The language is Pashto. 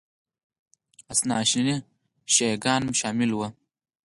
اثناعشري شیعه ګان شامل وو